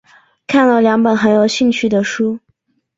看了两本很有兴趣的书